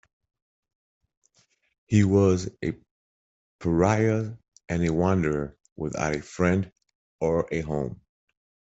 He was a pariah; a wanderer without a friend or a home.